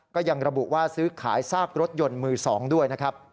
ก็ยังระบุว่าซื้อขายซากรถยนต์มือ๒ด้วยนะครับ